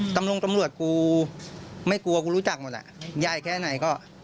ตำรวจกูไม่กลัวกูรู้จักหมดยายแค่ไหน